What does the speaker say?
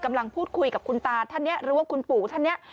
กำลังพูดคุยกับคุณตาท่านนี้หรือว่าคุณปู่ท่านเนี่ย